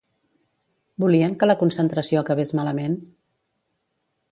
Volien que la concentració acabés malament?